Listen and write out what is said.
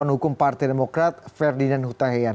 pemikiran hukum partai demokrat ferdinand huta heian